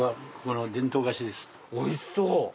おいしそう。